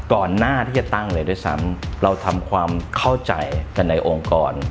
ก่อนหน้าที่จะตั้งเลยด้วยซ้ำเราทำความเข้าใจกันในองค์กร